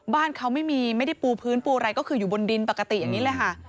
บ้านเขาไม่มีไม่ได้ปูพื้นปูอะไรก็คืออยู่บนดินปกติอย่างนี้เลยค่ะ